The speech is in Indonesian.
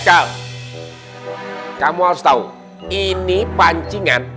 kalau uangnya ini berapa